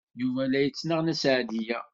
Yuba la yettnaɣ Nna Seɛdiya.